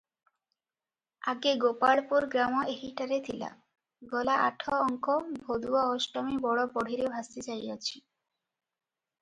ଆଗେ ଗୋପାଳପୁର ଗ୍ରାମ ଏହିଠାରେ ଥିଲା, ଗଲା ଆଠ ଅଙ୍କ ଭୋଦୁଅ ଅଷ୍ଟମୀ ବଡ଼ ବଢ଼ିରେ ଭାସିଯାଇଅଛି ।